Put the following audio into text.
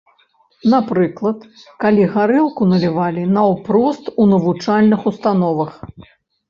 Напрыклад, калі гарэлку налівалі наўпрост у навучальных установах.